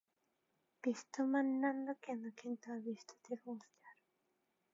ヴェストマンランド県の県都はヴェステロースである